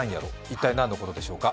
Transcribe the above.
一体、何のことでしょうか。